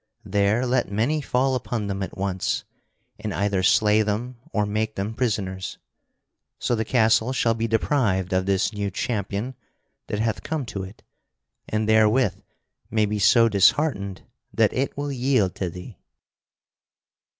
There let many fall upon them at once and either slay them or make them prisoners. So the castle shall be deprived of this new champion that hath come to it, and therewith may be so disheartened that it will yield to thee."